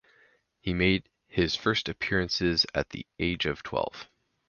He made his first appearances at the age of twelve.